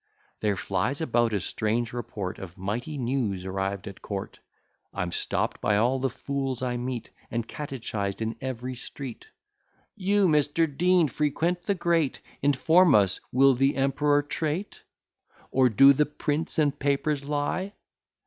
There flies about a strange report Of mighty news arrived at court: I'm stopp'd by all the fools I meet, And catechised in every street. "You, Mr. Dean, frequent the great: Inform us, will the emperor treat? Or do the prints and papers lie?"